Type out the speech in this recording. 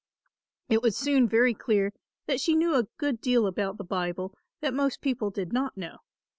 It was soon very clear that she knew a good deal about the Bible that most people did not know.